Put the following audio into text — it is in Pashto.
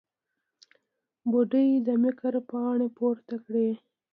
بوډۍ د مکر پاڼې پورته کړې.